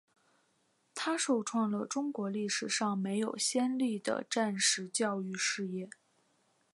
它首创了中国历史上没有先例的战时教育事业。